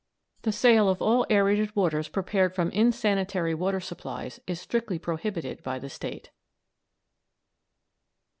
The sale of all aërated waters prepared from insanitary water supplies is strictly prohibited by the State.